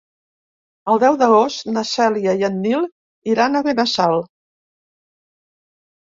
El deu d'agost na Cèlia i en Nil iran a Benassal.